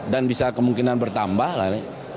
dan bisa kemungkinan bertambah lah